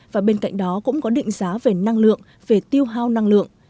và bên cạnh đó cũng có định giá về năng lượng về tiêu hao năng lượng